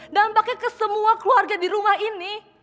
dampaknya ke semua keluarga di rumah ini